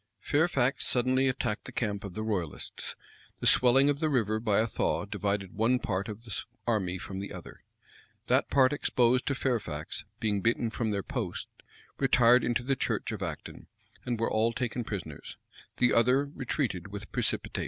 Fairfax suddenly attacked the camp of the royalists. The swelling of the river by a thaw divided one part of the army from the other. That part exposed to Fairfax, being beaten from their post, retired into the church of Acton, and were all taken prisoners; the other retreated with precipitation.